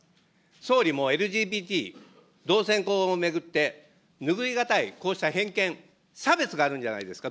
総理もＬＧＢＴ、同性婚を巡って、拭いがたい、こうした偏見、差別があるんじゃないですか。